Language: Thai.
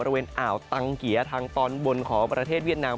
อ่าวตังเกียร์ทางตอนบนของประเทศเวียดนาม